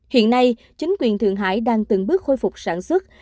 hiện nay chính quyền thượng hải đang từng bước khôi phục sản xuất